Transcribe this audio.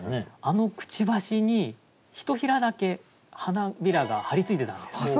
あのくちばしにひとひらだけ花びらが張り付いてたんです。